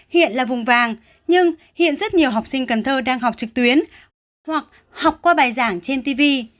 hiện là vùng vàng nhưng hiện rất nhiều học sinh cần thơ đang học trực tuyến hoặc học qua bài giảng trên tv